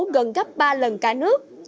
gần gấp ba lần cả nước